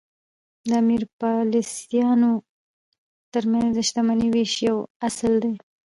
د امپریالیستانو ترمنځ د شتمنۍ وېش یو اصل دی